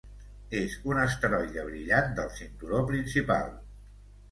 És un asteroide brillant del cinturó principal.